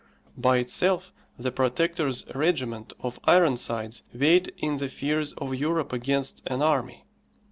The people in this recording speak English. By itself the Protector's regiment of Ironsides weighed in the fears of Europe against an army.